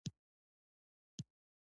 هغوی د تعلیم اجازه راتلونکې ته اچوله.